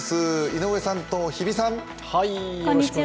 井上さんと日比さん。